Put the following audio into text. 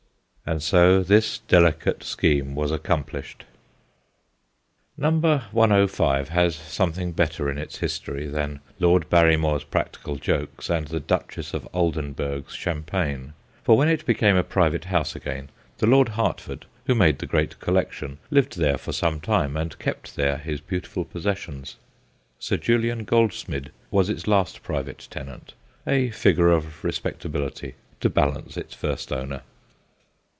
And so this delicate scheme was accomplished. Number 105 has something better in its history than Lord Barry more's practical jokes and the Duchess of Oldenburg's cham pagne, for when it became a private house again the Lord Hertford who made the great collection lived there for some time and kept there his beautiful possessions. Sir Julian Goldsmid was its last private tenant, a figure of respectability to balance its first owner.